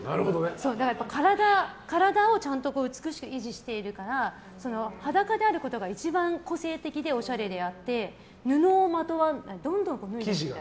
体をちゃんと美しく維持してるから裸であることが一番個性的でおしゃれであって布をまとわないどんどん脱いでいく。